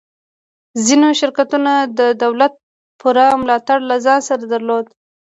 ځینو شرکتونو د دولت پوره ملاتړ له ځان سره درلود